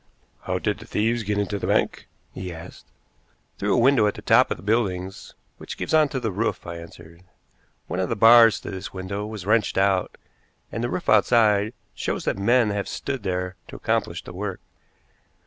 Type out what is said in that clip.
"How did the thieves get into the bank?" he asked. "Through a window at the top of the buildings, which gives on to the roof," I answered. "One of the bars to this window was wrenched out, and the roof outside shows that men have stood there to accomplish the work.